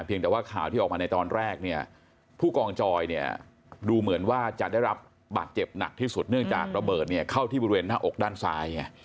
แต่ว่าข่าวที่ออกมาในตอนแรกเนี่ยผู้กองจอยเนี่ยดูเหมือนว่าจะได้รับบาดเจ็บหนักที่สุดเนื่องจากระเบิดเนี่ยเข้าที่บริเวณหน้าอกด้านซ้ายไง